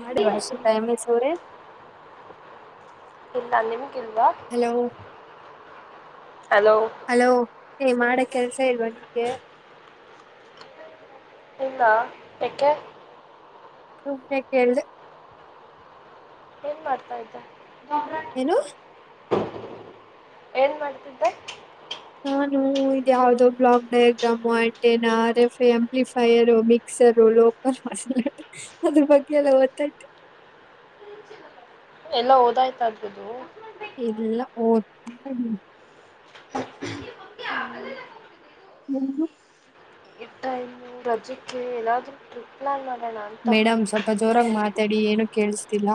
ಮಾಡಿಲ್ವ ಅಷಿತಾ M S ಅವ್ರೇ. ಇಲ್ಲ ನಿಮ್ ಹೆಲೋ ಹಲೋ ಹಲೋ ಹೇ ಮಾಡಕ್ ಕೆಲ್ಸ ಇಲ್ವಾ ನಿಮ್ಗೆ. ಇಲ್ಲ ಏಕೆ. ಸುಮ್ನೆ ಕೇಳ್ದೆ. ಏನ್ ಮಾಡ್ತಾ ಇದ್ದೆ. ಏನು. ಏನ್ ಮಾಡ್ತಿದ್ದೆ. ನಾನು ಇದ್ ಯಾವ್ದೋ block diagram antenna R F amplifier mixer local ಮಸ ಅದ್ರ ಬಗ್ಗೆ ಎಲ್ಲ ಓತ್ತೈದ್ದೆ. ಎಲ್ಲ ಓದಾಯ್ತ ಅದ್ರದ್ದು. ಇಲ್ಲಾ ಹೋಗ್ತಾ ಇದೀನಿ. ಉಹೂಂ. ಈ ಟೈಮು ರಜಕ್ಕೆ ಎಲ್ಲಾದ್ರೂ ಟ್ರಿಪ್ ಪ್ಲಾನ್ ಮಾಡ ಮೇಡಮ್ ಸ್ವಲ್ಪ ಜೋರಾಗಿ ಮಾತ್ ತಾಡಿ ಏನು ಕೇಳ್ಸ್ತಿಲ್ಲ.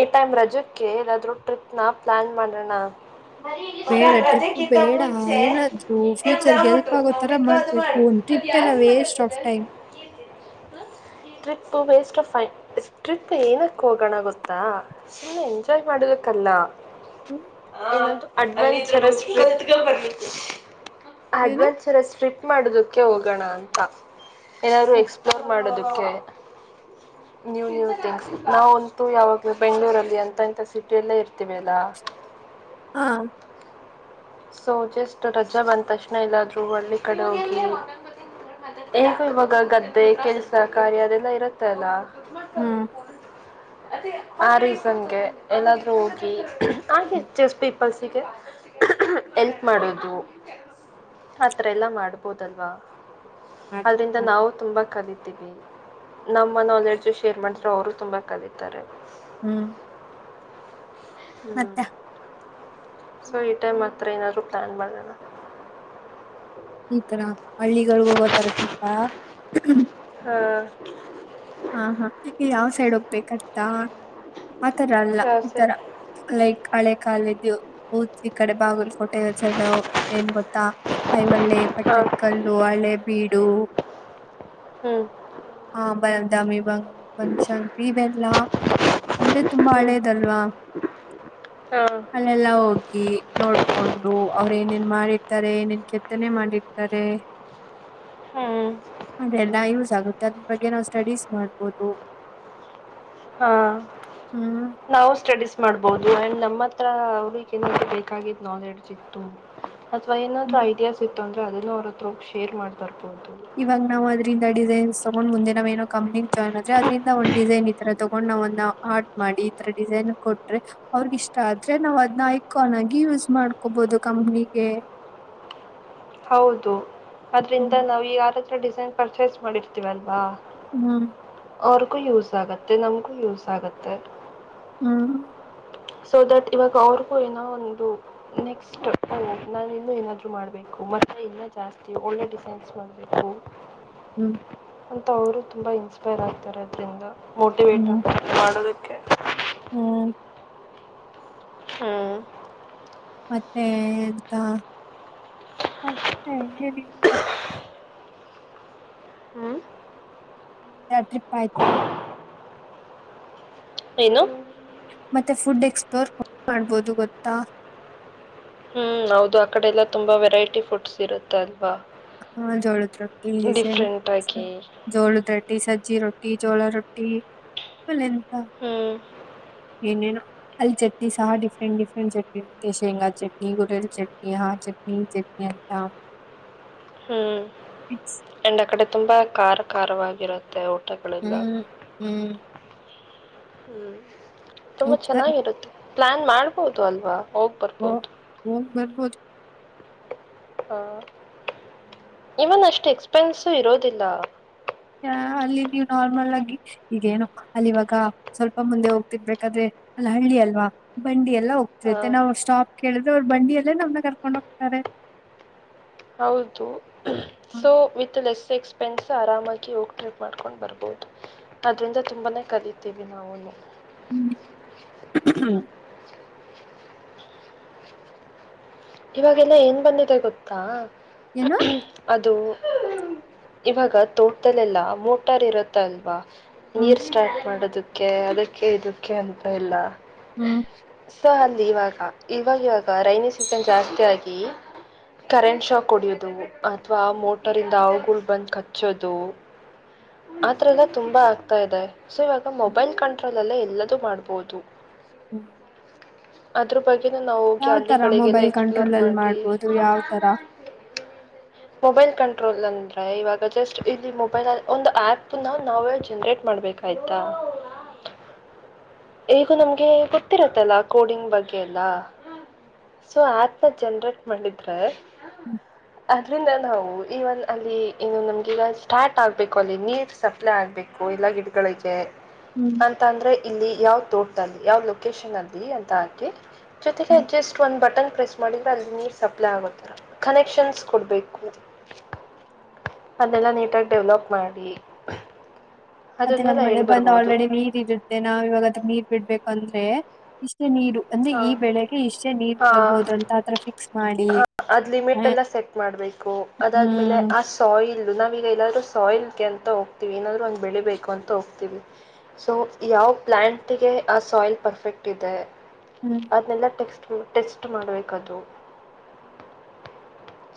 ಈ ಟೈಮ್ ರಜಕ್ಕೆ ಏಲ್ಲಾದ್ರೂ ಟ್ರಿಪ್ನಾ ಪ್ಲಾನ್ ಮಾಡಣ. ಬೇಡ ಟ್ರಿಪ್ ಬೇಡ ಏನಾದ್ರು ಫ್ಯೂಚರ್ಗೆ ಹೆಲ್ಪ್ ಆಗೋ ತರ ಮಾಡ್ಬೇಕು ಒಂದ್ ಟ್ರಿಪ್ ಎಲ್ಲ waste of time [unintelligible] waste of time, strip ಏನಕ್ ಹೋಗಣ ಗೊ ತ್ತ ಸುಮ್ಮ್ನೆ ಎಂಜಾಯ್ ಮಾಡುದಕ್ಕಲ್ಲ. ಹ್ಮ್ [unintelligible] [unintelligible] ಏನು ಅಡ್ವೆಂಚರಸ್ ಸ್ಟ್ರಿಕ್ಟ್ ಮಾಡುದು. ಕ್ಕೆ ಹೋಗೋಣ ಅಂತ. ಏನಾದ್ರು ಎಕ್ಸ್ಪ್ಲೋರ್ ಮಾಡುದು. ಕೆ ನ್ಯೂ ನ್ಯೂ ಥಿಂಗ್ಸ್ ನಾವಂತೂ ಯಾವತ್ ಬೆಂಗಳೂರಲ್ಲಿ ಅಂತ ಇಂತ ಸಿಟಿಯಲ್ಲೇ ಇರ್ತೀವಿ ಅಲ್ಲ. ಹಾ. ಸೊ ಜಸ್ಟ್ ರಜಾ ಬಂದ ತಕ್ಷಣ ಇಲ್ಲಾದ್ರು ಹಳ್ಳಿ ಕಡೆ ಹೋಗಿ ಹೇಗೂ ಇವಾಗ ಗದ್ದೆ ಕೆಲ್ಸ ಕಾರ್ಯ ಅದೆಲ್ಲ ಇರುತ್ತೆ ಅಲ್ಲಾ. [unintelligible] ಆ ರೀಸನ್ಗೆ ಎಲ್ಲಾದ್ರೂ ಹೋಗಿ [unintelligible] [unintelligible] ಎಲ್ಪ್ ಮಾಡೋದು ಆ ಥರ ಎಲ್ಲ ಮಾಡ್ಬೋದಲ್ವಾ. ಅದ್ರಿಂದ ಹ್ಮ್ ನಾವು ತುಂಬಾ ಕಲಿ ತ್ತಿವಿ ನಮ್ಮ ನಾಲೆಡ್ಜ್ ಶೇರ್ ಮಾಡಿದ್ರೆ ಅವರು ತುಂಬಾ ಕಲಿತಾರೆ. ಹ್ಮ್. ಹ್ಮ್. ಮತ್ತೆ ಸೊ ಈ ಟೈಮ್ ಆತ್ರ ಏನಾದ್ರು ಪ್ಲಾನ್ ಮಾಡಣ. ಈತರ ಹಳ್ಳಿಗಳಗ್ ಹೋಗೋತರ ಟ್ರಿಪ್ಪಾ. ಹಾ. ಹಾ ಹಾ ಈಗ್ ಯಾವ್ ಸೈಡ್ ಹೋಗ್ಬೇಕ್ ಗೊತ್ತ ಆತರ ಅಲ್ಲ ಹಾಂ ಈ ಸರಿ ತರ ಲೈಕ್ ಹಳೆ ಕಾಲ [unintelligible] ಕೋಟೆ ಸೈಡ ಏನ್ ಗೊತ್ತಾ ಐಹೊಳೆ ಹಾಂ ಪಟ್ಟದಕಲ್ಲು ಹಳೆಬೀಡು. ಹ್ಮ್. ದ ವಿವಾ ಬನಶಂಕರಿ ಇವೆಲ್ಲಾ ಅಂದ್ರೆ ತುಂಬಾ ಹ್ಞೂ ಹಳೇದಲ್ವಾ ಹಾಂ ಅಲ್ಲೆಲ್ಲಾ ಹೋಗಿ ನೋಡ್ಕೊಂಡು ಅವ್ರ ಏನೇನ್ ಮಾಡಿರ್ತಾರೆ ಏನೇನ್ ಕೆತ್ತನೆ ಮಾಡಿರ್ತಾರೆ ಹ್ಮ್. ಅದೆಲ್ಲ ಯೂಸ್ ಆಗುತ್ತೆ ಅದ್ರ ಬಗ್ಗೆ ಸ್ಟಡೀಸ್ ಮಾಡ್ಬೋದು. ಹಾ ಹ್ಮ್ ನಾವು ಸ್ಟಡೀಸ್ ಮಾಡ್ಬೋದು ಆಂಡ್ ನಮ್ಮತ್ ತ್ರ ಅವ್ರಿಗೆ ಏನಾದ್ರೂ ಬೇಕಾಗಿದ್ ನಾಲೆಡ್ಜ್ ಇತ್ತು. ಅಥವಾ ಏನಾದ್ರೂ ಹ್ಮ್ ಐಡಿಯಾ ಸಿಕ್ ತೊಂದ್ರೆ ಆದ್ರೂನು ಅವರತ್ರ ಹೋಗಿ ಶೇರ್ ಮಾಡ್ಬರ್ಬಹುದು. ಇವಾಗ ನಾವ್ ಅದ್ರಿಂದ ಡಿಸೈನ್ಸ್ ತಗೊಂಡ್ ಮುಂದೆ ನಾವ್ ಏನೋ ಕಂಪ್ನಿ ಜಾಯಿನ್ ಆದ್ರೆ ಅದ್ರಂದ ಒಂದ್ ಡಿಸೈನ್ ಈತರ ತಗೊಂಡ್ ನಾವನ್ನ ಆರ್ಟ್ ಮಾಡಿ ಈತರ ಡಿಸೈನ್ ಕೊಟ್ರೆ ಅವ್ರಗ್ ಇಷ್ಟ ಆದ್ರೆ ನಾವ್ ಅದನ್ನ ಐಕಾನ್ ಆಗಿ ಯೂಸ್ ಮಾಡ್ಕೊಬಹದು ಕಂಪ್ನಿಗೆ. ಹೌದು. ಅದ್ರಿಂದ ನಾವ್ ಯಾರ ಡಿಸೈನ್ ಪರ್ಚೇಸ್ ಮಾಡಿರ್ತೀವಲ್ವಾ ಹ್ಮ್. ಅವ್ರಗೂ ಯೂಸ್ ಆಗುತ್ತೆ ನಮ್ಗೂ ಯೂಸ್ ಆಗುತ್ತೆ. ಹ್ಮ. ಸೊ ದಟ್ ಇವಾಗ ಅವ್ರಿಗೂ ಏನೋ ಒಂದು ನೆಕ್ಸ್ಟ್ ಓ ನಾನ ಇನ್ನೂ ಏನಾದರೂ ಮಾಡಬೇಕು ಮತ್ತು ಇಲ್ಲ ಜಾಸ್ತಿ ಒಳ್ಳೆ ಡಿಸೈನ್ಸ್ ಮಾಡಬೇಕು. ಹ್ಮ್. ಅಂತ ಅವರು ತುಂಬ ಇನ್ಸ್ಪೈರ್ ಆಗ್ತಾರೆ ಅದರಿಂದ. ಮೋಟಿವೇಟ್ ಹ್ಮ್ ಆಗ್ತಾರೆ ಮಾಡೋದುಕ್ ಹ್ಮ್. ಹ್ಮ್. ಮತ್ತೆ ಎಂತ ಮತ್ತೆ [unintelligible] ಹ್ಮ್. ಎರಡ್ ಟ್ರಿಪ್ ಆಯ್ತು. ಏನು. ಮತ್ತೆ ಫುಡ್ ಎಕ್ಸ್ಪ್ಲೋರ್ ಮಾಡ್ಬೋದು ಗೊತ್ತಾ. ಹ್ಮ್ ಹೌದು ಆ ಕಡೆ ಎಲ್ಲಾ ತುಂಬಾ ವೆರೈಟಿ ಫುಡ್ಸ್ ಇರುತ್ತೆ ಅಲ್ವಾ. ಹಾ ಜೋಳುದ ರೊಟ್ಟಿ ಸ ಡಿಫ್ರೆಂಟ್ ಆಗಿ ಜೋಳುದ್ರೊಟ್ಟಿ ಸ ಜ್ಜಿ ರೊಟ್ಟಿ ಚೋಳ ರೊಟ್ಟಿ. ಎಂತ ಹ್ಮ್ ಏನೇನೊ. ಅಲ್ಲಿ ಚಟ್ನಿ ಸಹ ಡಿಫ್ರೆಂಟ್ ಡಿಫ್ರೆಂಟ್ ಚಟ್ನಿ ಇರತ್ತೆ ಶೇಂಗಾ ಚಟ್ನಿ ಗುರೆಲ್ ಚಟ್ನಿ ಹಾ ಚಟ್ನಿ ಈ ಚಟ್ನಿ ಅಂತ. ಹ್ಮ್. ಎಂಡ ಆಕಡೆ ತುಂಬಾ ಕಾರ ಕಾರವಾಗಿರತ್ತೆ. ಹ್ಮ್ ಹ್ಮ್. ಹ್ಮ್. ತುಂಬಾ ಉತ್ಕ ಚೆನ್ನಾಗಿರುತ್ತೆ. ಪ್ಲಾನ್ ಮಾಡ್ಬೋದು ಅಲ್ವಾ. ಹೋಗ್ಬರ್ಬೋದು. ಹೋಗ್ ಬರ್ಬೋದು. ಹಾ ಇವನ್ ಅಷ್ಟು ಎಕ್ಸ್ಪೆನ್ಸ ಇರೋದಿಲ್ಲ. ಹ ಅಲ್ಲಿ ನೀವ್ ನಾರ್ಮಲ್ ಆಗಿ ಈಗೇನು ಅಲ್ಲಿ ಇವಾಗ ಸ್ವಲ್ಪ ಮುಂದೆ ಹೋಗ್ತಿರ್ಬೇಕಾದ್ರೆ ಅಲ್ಲಿ ಹಳ್ಳಿ ಅಲ್ವಾ ಬಂಡಿ ಎಲ್ಲ ಆ, ಹೋಗ್ತಿರತ್ತೆ ನಾವು ಸ್ಟಾಪ್ ಕೇಳಿದ್ರೆ ಅವರು ಬಂಡಿಯಲ್ಲೇ ನಮ್ನ ಕರ್ಕೊಂಡ್ ಹೋಗ್ತಾರೆ. ಹೌದು so with less ex friends ಆರಾಮಾಗಿ ಹೋಗಿ ಟ್ರಿಪ್ ಮಾಡ್ಕೊಂಡ್ ಬರ್ಬಹದು ಅದ್ರಿಂದ ತುಂಬಾನೇ ಕಲಿತಿವಿ ನಾವುನು. ಹ್ಮ್. [unintelligible] ಇವಾಗೆಲ್ಲ ಏನ್ ಬಂದಿದೆ ಗೊತ್ತಾ. ಏನು ಅದು ಇವಾಗ ತೋಟ್ದಲ್ಲೆಲ್ಲ ಮೋಟಾರ್ ಇರತ್ತ ಅಲ್ವಾ. ಹ್ಮ್ ನೀರ್ ಸ್ಟಾರ್ಟ್ ಮಾಡೋದಕ್ಕೆ ಅದಕ್ಕೆ ಕ್ಕೆ ಇದಕ್ಕೆ ಅಂತ ಎಲ್ಲ ಹ್ಮ್ ಸ ಅಲ್ಲಿ ಇವಾಗ ಇವಾಗ ಇವಾಗ ರೈನಿ ಸಿ ಸನ್ ಜಾಸ್ತಿಯಾಗಿ ಕರೆಂಟ್ ಶಾಕ್ ಹೊಡಿಯೋದು, ಅಥವಾ ಆ ಮೋಟರ್ ಇಂದ ಹಾವುಗಳು ಬಂದ್ ಕಚ್ಚೋದು ಆಥರಲ್ಲ ತುಂಬಾ ಆಗ್ತಾ ಇದೆ. ಸೊ ಇವಾಗ ಮೊಬೈಲ್ ಕಂಟ್ರೋಲ್ ಅಲ್ಲೆ ಎಲ್ಲದು ಮಾಡ್ಬಹುದು. ಹ್ಮ್. ಅದ್ರ ಬ ಗ್ಗೆ ನಾವ್ ಹೋಗಿ ಯಾವ್ ತರ ಹಳ್ಳಿಗಳಿ ಮೊಬೈಲ್ ಕಂಟ್ರೋಲಲ್ ಮಾಡ್ಬೋದು ಯಾವ್ತರ. ಮೊಬೈಲ್ ಕಂಟ್ರೋಲ್ ಅಂದ್ರೆ ಇವಾಗ ಜಸ್ಟ್ ಇಲ್ಲಿ ಮೊಬೈಲ್ ಒಂದು ಆಪ್ ನಾವೇ ಜನರೇಟ್ ಮಾಡ್ಬೇಕಾಯ್ತಾ ಈಗ ನಮಗೆ ಗೊತ್ತಿರತ್ತಲ್ಲ ಕೋಡಿಂಗ್ ಬಗ್ಗೆ ಎಲ್ಲ. ಸೊ ಆಪ್ನ ಜನ್ರೇಟ್ ಮಾಡಿದ್ರೆ ಅದ್ರಿಂದ ನಾವು ಈವನ್ ಅಲ್ಲಿ ಇನ್ನು ನಮ್ಗೀಗ ಸ್ಟಾರ್ಟ್ ಆಗ್ಬೇಕು ಅಲ್ಲಿ ನೀರ್ ಸಪ್ಲೈ ಆಗ್ಬೇಕು ಎಲ್ಲ ಗಿಡಗಳಿಗೆ. ಹ್ಮ್ ಅಂತ ಅಂದ್ರೆ ಇಲ್ಲಿ ಯಾವ್ ತೋಟದಲ್ಲಿ ಯಾವ ಲೊಕೇಶನ್ ಅಲ್ಲಿ ಅಂತ ಹಾಕಿ ಜೊತೆಗೆ ಹ್ಮ್ ಜಸ್ ಟ್ ಒಂದು ಬಟನ್ ಪ್ರೆಸ್ ಮಾಡಿದ್ರೆ ಅಲ್ಲಿ ನೀರು ಸಪ್ಲೈ ಆಗೋತ್ತರ ಕನೆಕ್ಷನ್ಸ್ ಕೊಡ್ಬೇಕು ಅದೆಲ್ಲ ನೀಟಾಗಿ ಡೆವ್ಲಪ್ ಮಾಡಿ ಮತ್ತೆ ಇವಾಗ್ ಅದನ್ನೆಲ್ಲ ಮಳೆ ಹೇಳಿ ಬಂದ್ ಬರ್ಬೋದು ಆಲ್ರೆಡಿ ನೀರ್ ಇರುತ್ತೆ ನಾವ್ ಇವಾಗ ಅದ್ ನೀರ್ ಬಿಡ್ಬೇಕಂದ್ರೆ ಇಷ್ಟೇ ನೀರು ಅಂದ್ರೆ ಹ ಈ ಬೆಳೆಗೆ ಇಷ್ಟೇ ನೀರ್ ಹಾ ಬರ್ಬೋದು ಅಂತ ಆತರ ಫಿಕ್ಸ್ ಮಾಡಿ ಹ ಅದ್ ಲಿಮಿಟ್ ಎಲ್ಲ ಸೆಟ್ ಮಾಡ್ಬೇಕು ಅದಾದ್ಮೇಲೆ ಹ್ಮ್ ಆ ಸಾಯಿಲ್ ಇದು ನಾವೀಗ ಎಲ್ಲಾದ್ರೂ ಸಾಯಿಲ್ಗೆ ಅಂತ ಹೋಗ್ತೀವಿ ಏನಾದ್ರೂ ಒಂದ್ ಬೆಳಿಬೇಕು ಅಂತ ಹೋಗ್ತವಿ ಸೊ ಯಾವ್ ಪ್ಲಾಂಟ್ಗೆ ಆ ಸಾಯಿಲ್ ಪರ್ಫೆಕ್ಟ್ ಇದೆ. ಹ್ಮ್ ಅದ್ನೇಲ್ ಟೆಕ್ಸ್ಟ್ ಟೆಸ್ಟ್ ಮಾಡ್ಬೇಕದು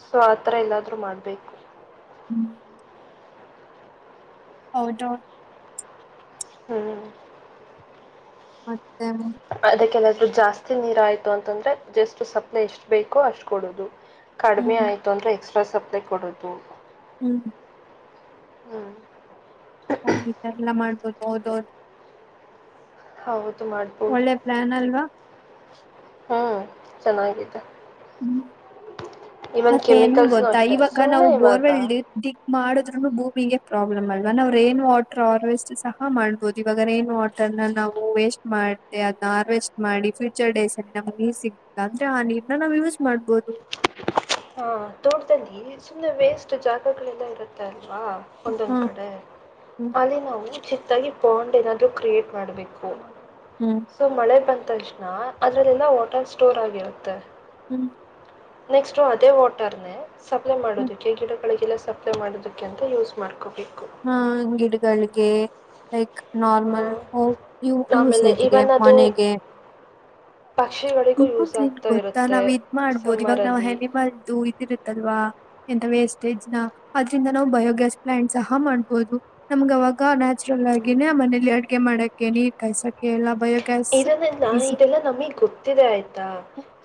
ಸೊ ಆತರ ಎಲ್ಲಾದ್ರೂ ಮಾಡ್ಬೇಕು. ಹ್ಮ್. ಹೌದು. ಹ್ಮ್. ಮತ್. ಅದಕ್ಕೆಲ್ಲ. ಜಾಸ್ತಿ ನೀರ ಆಯ್ತು ಅಂತಂದ್ರೆ ಜಸ್ಟ್ ಸಪ್ಲೈ ಎಷ್ಟ ಬೇಕೋ ಅಷ್ಟ್ ಕೊಡೋದು. ಕಡಿಮೆ ಹ್ಮ್ ಆಯ್ತು ಅಂದ್ರೆ. [unintelligible] ಸ್ಟ್ರೆಸ್ ಅಪ್ಲೈ ಕೊಡದು. ಹ್ಮ್ ಹ್ಮ್ ಓ ಈ ತರ ಎಲ್ಲ ಮಾಡ್ಬೋದು ಹೌದೌದು. ಹೌದು. ಮಾಡ್ಬೋದು ಒಳ್ಳೆ ಪ್ಲಾನ್ ಅಲ್ವಾ. ಹ್ಮ್ ಚೆನಾಗಿದೆ. ಮತ್ತೆನ್ ಕೆಮಿಕಲ್ಸ್ನು ಗೊತ್ತಾ ಅಷ್ಟೆ ಇವಾಗ ಸುಮ್ನೆ ನಾವು ಇವಾಗ ಬೋರ್ವೆಲ್ ದಿಗ್ -ದಿಗ್ ಮಾಡಿ ನ ಭೂಮಿಗೆ ಪ್ರಾಬ್ಲಮ್ ಅಲ್ವಾ ನಾವು ರೈನ್ ವಾಟರ್ ಹಾರ್ವೆಸ್ಟ್ ಸಹ ಮಾಡ್ಬೋದು ಇವಾಗ ರೈನ್ ವಾಟರ್ ನ ನಾವು ವೇಸ್ಟ್ ಮಾಡ್ದ ಅದನ್ನ ಹಾರ್ವೆಸ್ಟ್ ಮಾಡಿ ಫ್ಯೂಚರ್ ಡೇಸ್ ಅಲ್ಲಿ ನಮ್ಗೆ ನೀರ್ ಸಿಗ್ತ ಅಂದ್ರೆ ಆ ನೀರ್ನ ನಾವು ಯೂಸ್ ಮಾಡ್ಬೋದು. ಹಾ ತೋಟಡ್ಲಿ ಸುಮ್ಮನೆ ವೇಸ್ಟ್ ಜಾಗಗಳೆಲ್ಲ ಇರುತ್ತೆ. ಹಾ ಒಂದೊಂದ್ ಹ್ಮ್ ಕಡೆ ಹ್ಮ್ ಅಲ್ಲಿ ನಾವು ಚಿ ದಗಿ ಬಾಂಡ್ ಏನಾದ್ರು ಕ್ರಿಯೇಟ್ ಮಾಡ್ಬೇಕು. ಹ್ಮ್ ಸೊ ಮಳೆ ಬಂದ. ತಕ್ಷಣ ಅದ್ರಲ್ಲಲಾ ವಾಟರ್ ಸ್ಟೋರ್ ಆಗಿರುತ್ತೆ. ಹ್ಮ್ ನೆಕ್ಸ್ಟ ಅದೇ ವಾಟರ್ನೆ. ಸಪ್ಲೈ ಹ್ಮ್ ಮಾಡೋದಕ್ಕೆ ಗಿಡಗಳಿಗೆಲ್ಲ. ಸಪ್ಲೈ ಮಾಡೋದಿಕೇಂತ ಯೂಸ್ ಮಾಡ್ಕೋಬೇಕು. ಹಾ ಗಿಡಗಾಳ್. ಗೆ ಲೈಕ್ ಆ, ನಾರ್ಮಲ್ ಆಮೇಲೆ ಯೂಸೇಜ್ಗೆ ಇವನ್ ಅದು ಮನೆಗೆ. ಪಕ್ಷಿಗಳಿಗೂ ಯೂಸ್ ಇನ್ನೊಂದು ಏನ್ ಆಗ್ತಾ ಗೊತ್ತಾ ಇರುತ್ತೆ ನಾವ್ ಇದ್ ಮಾಡ್ಬೋದು ಇವಾಗ ನಾವ್ ಸಮ್ಮರಲ್ಲಿ ಹನಿಮಲ್ದು ಇದ್ ಇದಿರುತ್ತಲ್ವಾ. ಎಂತ ವೇಸ್ಟೇಜ್ನ ಅದ್ರಿಂದ ನಾವು ಬಯೋಗ್ಯಾಸ್ ಪ್ಲಾಂಟ್ ಸಹ ಮಾಡ್ಬೋದು ನಮ್ಗೆ ಅವಾಗ. ನ್ಯಾಚುರಲ್ ಆಗೀನೆ ಆ ಮನೇಲಿ ಎರ್. ಮಾಡಕ್ಕೆ ನೀರ್ ಕಾಯಸಕೆ. ಇದನ್ನೆಲ್ಲಾ ಇದೆಲ್ಲಾ ನಮಗ್ ಗೊತ್ತು. ತ್ತಿದೆ ಆಯ್ತಾ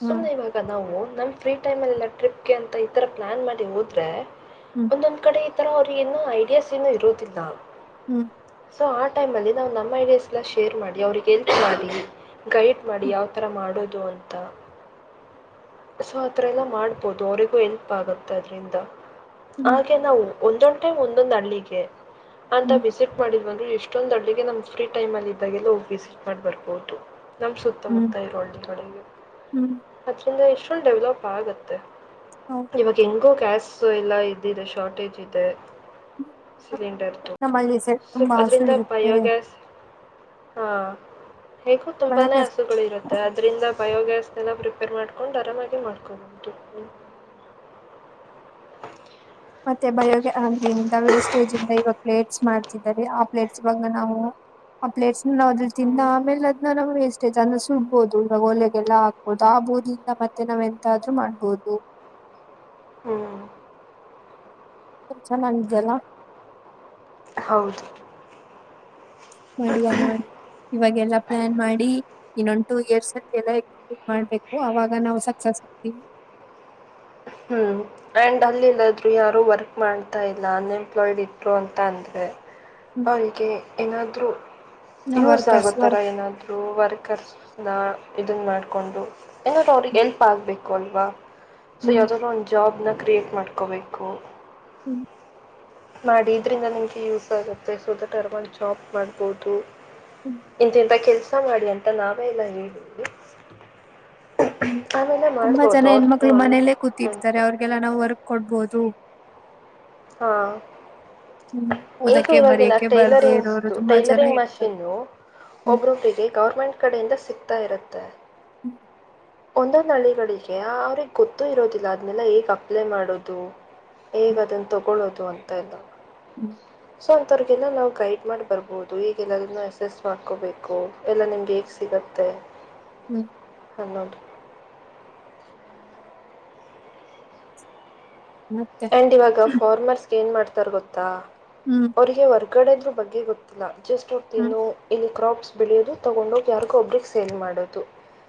ಹ್ಮ್ ಸುಮ್ನೆ ಇವಾಗ ನಾ. ನಾವು ನಮ್ಮ ಫ್ರೀ ಟೈಮ್ಲ್ಲಿ ಇಲ್ಲ ಟ್ರಿಪ್ಗೆ ಅಂತ ಈ ತರ ಪ್ಲಾನ್ ಮಾಡಿ ಹೋದ್ರೆ. ಹ್ಮ್ ಒಂದೊಂದ್ ಕಡೆ ಇತ್ತು. ಆಥರ ಅವ್ರಿಗೆ ಏನೋ ಐಡಿಯಾಸ್ ಏನು ಇರೋದಿಲ್ಲ. ಹ್ಮ್ ಸೊ ಆ ಟೈಮಲ್ಲಿ ನಾವು ನಮ್ಮ ಐಡಿಯಾಸ್ ಎಲ್ಲ ಶೇರ್ ಮಾಡಿ ಅವರಿಗೆ. ಎಲ್ಪ್ ಮಾಡಿ ಗೈಡ್ ಮಾಡಿ ಯಾವತರ ಮಾಡೋದು ಅಂತ ಸೊ ಆತರ ಎಲ್ಲ ಮಾಡ್ಬೋದು ಅವರಿಗೂ ಎಲ್ಪ್ ಆಗುತ್ತೆ ಅದ್ರಿಂದ. ಹ್ಮ್ ಹಾಗೆ ನಾವು. ಒಂದೊಂದ್ ಟೈಮ್ ಒಂದೊಂದ್ ಹಳ್ಳಿಗೆ. ಅಂತ ಹ್ಮ್ ವಿಸಿಟ್ ಮಾಡಿ. [unintelligible] ಎಷ್ಟೊಂದು ಫಿ [unintelligible] ಇದಗೆಲ್ಲ [unintelligible] ಮಾಡ್ ಬರ್ಬೋದು. ನಮ್ಮ ಹ್ಮ್ ಸುತ್ತಮುತ್ತ ಇರುವ ಹಳ್ಳಿ ಕಡೆಗೆ ಹ್ಮ್ ಅದರಿಂದ ಎಷ್. ಫುಲ್ ಡೆವಲಪ್ ಆಗುತ್ತೆ. ಹೌದು ಈವಾಗ್ ಎಂಗೊಗ್. ಕ್ಯಾಸ್ ಓ ಎಲ್ಲ ಇದ್ದಿದೆ ಶಾರ್ಟೇಜ್ ಇದೆ. ಸಿಲಿಂಡರ್ದು ನಮ್ಮಲ್ಲಿ ಸೆ ಸೊ ತುಂಬಾ ಹಸು ಅದರಿಂದ ಇರುತ್ತೆ ಬಯೋಗ್ಯಾಸ್. ಹಾ ಹೇಗೂ ತುಂಬಾನೇ ಬಯೋಗ್ಯಾಸ್ ಆಸೆಗಳು ಇರುತ್ತೆ ಅದ್ರಿಂದ. ಬಯೋಗ್ಯಾಸ್ನೆಲ್ಲ ಪ್ರಿಪೇರ್ ಮಾಡ್ಕೊಂಡು ಆರಾಮಾಗಿ ಮಾಡ್ಕೊಬೋದಿತ್ತು. ಮತ್ತೆ ಬಯೋಗೆ ಅ್ರಂದ ವೇಸ್ಟೇಜ್ ಇಂದ ಇವಾಗ ಪ್ಲೇಟ್ಸ್ ಮಾಡ್ತಿದ್ದಾರೆ ಆ ಪ್ಲೇಟ್ಸ್ ಇವಾಗ ನಾವು ಆ ಪ್ಲೇಟ್ಸ್. ಇಲ್ಲ ಆದ್ರೆ ಹ್ಞೂ ತಿಂದಾದಮೇಲೆ ಅದನ್ನ ಎಸ್ ಮತ್ತೆ ಜನ ಸುಡ್ಬೋುದು ಇವಾಗ ಒಲೆಗೆಲ್ಲ ಹಾಕ್ಬೋದು ಆ ಬೂದಿಯಿಂದ ಮತ್ತೆ ನಾವ್ ಎಂತಾದ್ರು ಮಾಡ್ಬೋದು. ಹ್ಮ್ ಇದ್ ಚೆನ್ನಾಗಿದ್ದ್ಯಲ್ಲ. ಹೌದು. ಮಾಡುವ ಮಾಡ್ ಇವಾಗೆಲ್ಲಾ ಪ್ಲಾನ್ ಮಾಡಿ. ಇನ್ನೊಂದು ಟು ಇಯರ್ಸ್ ಅಲ್ಲಿ ಎಲ್ಲ ಎಕ್ಸಿಕ್ಯೂಟ್ ಮಾಡ್ಬೇಕು ಅವಾಗ ನಾವು ಸಕ್ಸಸ್ ಆಗ್ತೀವಿ. ಹ್ಮ್ ಆ್ಯಂಡ್ ಅಲ್ಲಿಲ್ಲಾದ್ರು ಯಾರು ವರ್ಕ್ ಮಾಡ್ತಾ ಇಲ್ಲ ಅನ್ಎಂಪ್ಲಾಯ್ಡ್ ಇದ್ರು ಅಂತ ಅಂದ್ರೆ. ಹ್ಮ್ ಅವರಿಗೆ ಏನಾದ್ರೂ. ಯೂಸ್ ವರ್ಕರ್ಸ್ ಆಗೋತರ ವರ್ಕ್ ಏನಾದ್ರು ವರ್ಕರ್ಸ್. ನಾ ಇದನ್ನು ಮಾಡ್ಡ್ಕೊಂಡು. [unintelligible] ಹ್ಮ್ ಎಲ್ಪ ಆಗಬೇಕ್. ಕೊಲ್ವಾ. ಸೊ ಯಾವ್ದನ ಒಂದು ಜಾಬ್ ನ. ಕ್ರಿಯೇಟ್ ಮಾಡ್ಕೋಬೇಕು. ಹ್ಮ ಮಾಡಿ ಇದ್ರಿಂದ ನಿಮ್ಗೆ ಯೂಸ್ ಆಗುತ್ತೆ ಸೊ ದಟ್ ಅರ್ಮನ್ ಜಾಬ್ ಮಾಡ್ಬೋದು. ಹ್ಮ್ ಇಂತ ಇಂತ ಕೇಲ್ಸ್. ಊಟ ಮಾಡಿ ಅಂತ ನಾವೆ ಎಲ್ಲ ಹೇಳಿದ. ಹ್ಮ್ ತುಂಬಾ ಜನ ಹೆಣ ಮಕ್ಳು ಮನೇಲ್ಲೇ ಕೂತ್. ಅಂತ. ಇರ್ತಾರೆ ಅವ್ರರಿಗೆಲ್ಲ ನಾವು. ವರ್ಕ್ ಕೊಡ್ಬೋದು. ಹಾ ಹ್ಮ್ ಈಗ ಓದಕ್ಕೆ ಇವಾಗಿನ ಬರೆಯಕ್ಕೆ ಬರ್ದೇ ಇರೋರು ಟೈಲರಿಂಗ್ಸ್ದು ತುಂಬಾ ಜನ ಟೈಲರಿಂಗ್ ಇರ್ತಾರೆ ಮಷೀನು ಹ್ಮ್ ಒಬ್ರೊಬ್ರಿಗೆ ಗವರ್ಮೆಂಟ್ ಕಡೆಯಿಂದ ಸಿಗ್ತಾ ಇರುತ್ತೆ. ಒಂದೊಂದು ಹಳ್ಳಿಗಳಿಗೆ ಅವ್ರಿಗೆ ಗೊತ್ತುೂ ಇರೋದಿಲ್ಲ ಅದ್ನೇಲ್ಲ ಹೇಗ್ ಅಪ್ಲೈ ಮಾಡೋದು. ಹೇಗ್ ಅದನ್ ತೊಗೊಳ್ಳೋದ್. [unintelligible] ಹ್ಮ ಸೊ ಅಂಥ್ತೋರ್ಗೆಲ್ಲ ನಾವು ಗೈಡ್ ಮಾಡಿ ಬರ್ಬೋದು ಈಗೆಲ್ಲದನ್ನು ಎಸ್ ಎಸ್ ಮಾಡ್ಕೋಬೇಕು ಎಲ್ಲ ನಿಮ್ಗೆ ಹೇಗೆ ಸಿಗತ್ತೆ. ಹ್ಮ್ ಅನ್ನೋದು. ಮತ್ತೆ ಅಂಡ್ ಇವಾಗ ಫಾರ್ಮರ್ಸ್. ಏನ್ ಮಾಡ್ತಾರ್ ಗೊತ್ತಾ. ಹ್ಮ್ [unintelligible] ಗಡೆದ್ರು ಬಗ್ಗೆ ಗೊತ್ತಿಲ್ಲ. ಜಸ್ಟ್ ಹ್ಮ್ ಹೋಗ್ತಿನ್ನು ಇಲ್ ಕ್ರಾಪ್. ಬೆಳಿಯೋದು ತಗೊಂಡೋಗಿ ಯಾರಿಗೋ ಒಬ್ರಿಗೆ ಸೇಲ್ ಮಾಡೋದು.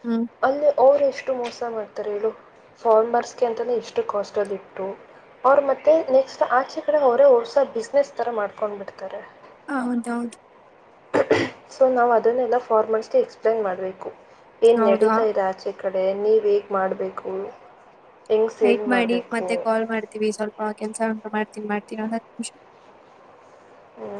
ಹ್ಮ್ ಅಲ್ಲೆ. ಅವರು ಎಷ್ಟು ಮೋಸ ಮಾಡ್ತಾರೆ ಹೇಳು ಫಾರ್ಮರ್ಸ್ಗೆ ಅಂತಲೇ ಎಷ್ಟು ಕಾಸ್ಟಲ್ಲಿ ಇಟ್ಟು. ಅವ್ರ್ ಮತ್ತೆ ನೆಕ್ಸ್ಟ್ ಆಚೆ ಕಡೆ ಅವರೇ ಹೊರ್ಸ ಬಿಸ್ನೆಸ್ ತರ ಮಾಡ್ಕೊಂಡ್ ಬಿಡ್ತಾರೆ. ಹೌದೌದು. ಸೊ ನಾವು ಅದನ್ನೆಲ್ಲ ಫಾರ್ಮರ್ಸ್ಗೆ ಎಕ್ಸ್ಪ್ಲೇನ್ ಮಾಡ್ಬೇಕು. ಏನ್ ಹೌದು ನಡೀತಾ ಇರ್ ಆಚೆ. ಕಡೆ ನೀವು ಹೇಗ್ ಮಾಡ್ಬೇಕು. ವೈಟ್ ಮಾಡಿ ಮತ್ತೆ ಕಾಲ್ ಮಾಡ್ತೀವಿ ಸ್ವಲ್ಪ ಕೆಲ್ಸ ಉಂಟು ಮಾಡ್ತೀನ್ ಮಾಡ್. ಇನ್ನೊಂದ್ ಹತ್ತ ನಿಂಷ‌. ಹ್ಮ.